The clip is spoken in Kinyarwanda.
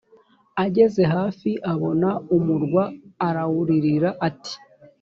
ageze hafi abona umurwa arawuririra ati